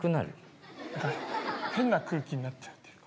変な空気になっちゃうっていうか。